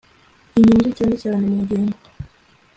Inyungu cyane cyane mu ngigo